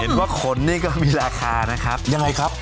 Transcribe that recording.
ว่าขนนี่ก็มีราคานะครับยังไงครับ